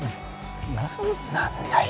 何なんだよ